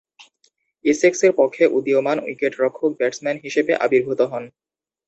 এসেক্সের পক্ষে উদীয়মান উইকেট-রক্ষক-ব্যাটসম্যান হিসেবে আবির্ভূত হন।